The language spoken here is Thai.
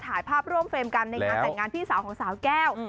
ถ่ายภาพร่วมเฟรมกันในงานแต่งงานพี่สาวของสาวแก้ว